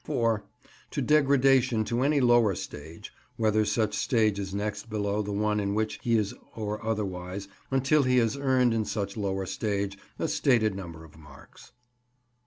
(4) To degradation to any lower stage (whether such stage is next below the one in which he is or otherwise) until he has earned in such lower stage a stated number of marks.